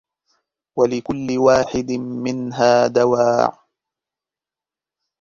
وَلِكُلِّ وَاحِدٍ مِنْهَا دَوَاعٍ